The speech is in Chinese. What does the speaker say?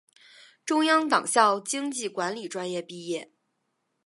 中央党校经济管理专业毕业。